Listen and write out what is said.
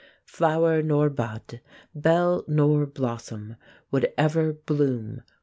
Flower nor bud, bell nor blossom, would ever bloom for her!